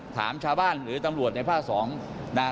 ถามชาวบ้านหรือตำรวจในภาค๒นะฮะ